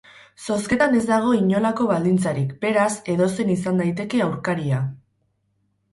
Zozketan ez dago inolako baldintzarik, beraz, edozein izan daiteke aurkaria.